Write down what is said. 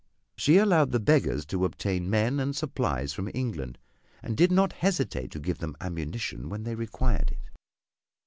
She allowed the Beggars to obtain men and supplies from England, and did not hesitate to give them ammunition when they required it.